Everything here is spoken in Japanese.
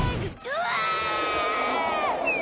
うわ！